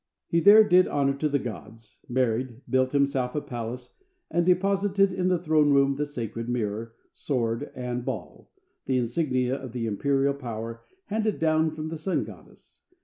He there did honor to the gods, married, built himself a palace, and deposited in the throne room the sacred mirror, sword, and ball, the insignia of the imperial power handed down from the sun goddess.